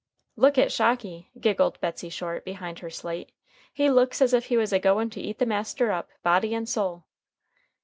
"Look at Shocky," giggled Betsey Short, behind her slate. "He looks as if he was a goin' to eat the master up, body and soul."